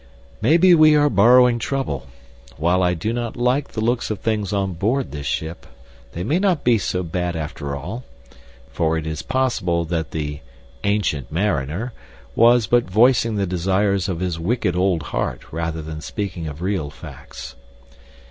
"Maybe we are borrowing trouble. While I do not like the looks of things on board this ship, they may not be so bad after all, for it is possible that the 'Ancient Mariner' was but voicing the desires of his wicked old heart rather than speaking of real facts.